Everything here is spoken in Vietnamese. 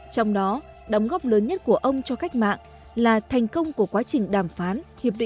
trong đó đóng góp lớn nhất của ông cho cách mạng là thành công của quá trình đàm phán